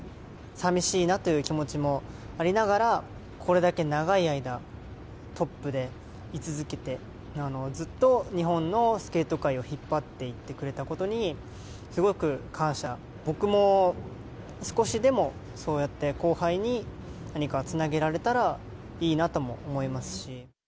さみしいなという気持ちもありながら、これだけ長い間、トップで居続けて、ずっと日本のスケート界を引っ張っていってくれたことに、すごく感謝、僕も少しでもそうやって、後輩に何かつなげられたらいいなとも思いますし。